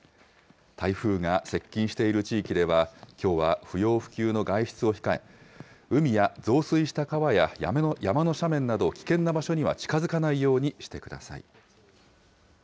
台風が接近している地域では、きょうは不要不急の外出を控え、海や増水した川や山の斜面など、危険な場所には近づかないようにしてください。